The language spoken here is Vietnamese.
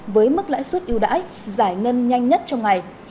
với mức lãi suất yêu đãi giải ngân nhanh nhất trong ngày